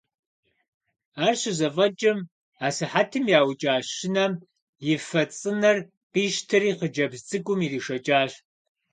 Ари щызэфӏэкӏым асыхьэтым яукӏа щынэм и фэ цӏынэр къищтэри хъыджэбз цӏыкӏум иришэкӏащ.